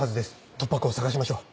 突破口を探しましょう。